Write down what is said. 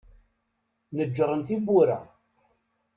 Neǧǧren tiwwura.